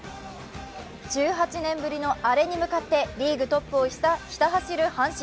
１８年ぶりのアレに向かってリーグトップをひた走る阪神。